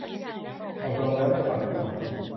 อบรมแล้วได้ทำจริง